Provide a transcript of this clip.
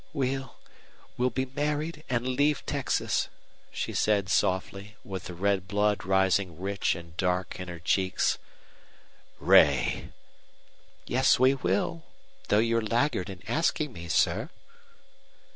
"We'll we'll be married and leave Texas," she said, softly, with the red blood rising rich and dark in her cheeks. "Ray!" "Yes we will, though you're laggard in asking me, sir."